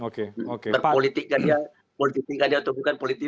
berpolitik kan ya politik kan ya atau bukan politik